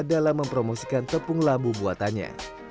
dalam mempromosikan tepung labu buatannya